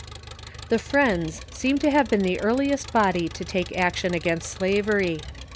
The Friends seem to have been the earliest body to take ac tion against slavery.